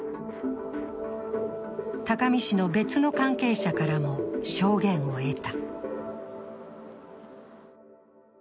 高見氏の別の関係者からも証言を得た。